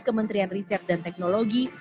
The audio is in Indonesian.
kementerian riset dan teknologi